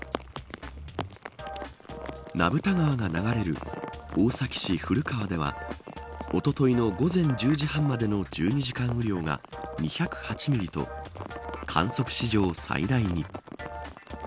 名蓋川が流れる大崎市古川ではおとといの午前１０時半までの１２時間雨量が２０８ミリと、観測史上最大に。